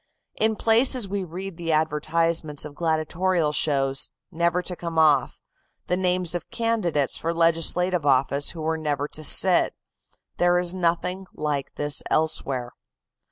In places we read the advertisements of gladiatorial shows, never to come off, the names of candidates for legislative office who were never to sit. There is nothing like this elsewhere.